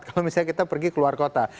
kalau misalnya kita pergi keluar kota